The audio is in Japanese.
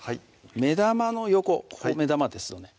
目玉の横ここ目玉ですよね